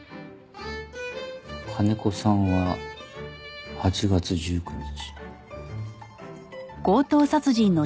金子さんは８月１９日。